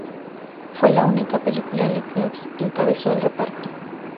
Fue la única película en la que encabezó el reparto.